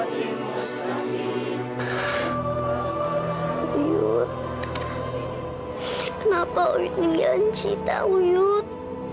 kenapa uyut nggian cita uyut